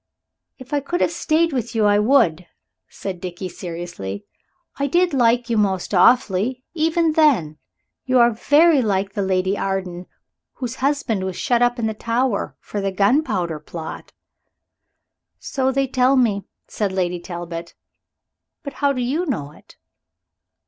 "If I could have stayed with you I would," said Dickie seriously. "I did like you most awfully, even then. You are very like the Lady Arden whose husband was shut up in the Tower for the Gunpowder Plot." "So they tell me," said Lady Talbot, "but how do you know it?"